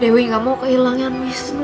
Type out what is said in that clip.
dewi gak mau kehilangan wisnu